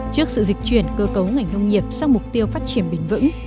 trước sự dịch chuyển cơ cấu ngành nông nghiệp sang mục tiêu phát triển bền vững